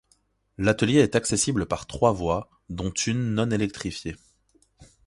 L'atelier est accessible par trois voies dont une non électrifiée.